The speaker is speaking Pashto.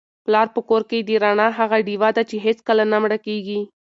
پلار په کور کي د رڼا هغه ډېوه ده چي هیڅکله نه مړه کیږي.